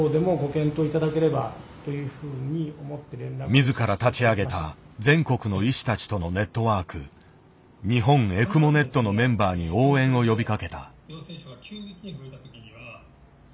自ら立ち上げた全国の医師たちとのネットワーク「日本ＥＣＭＯｎｅｔ」のメンバーに応援を呼びかけた。